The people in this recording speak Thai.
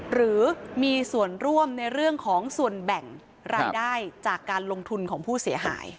หรือมีส่วนร่วมในเรื่องของส่วนแบ่งรายได้จากการลงทุนของผู้เสียหาย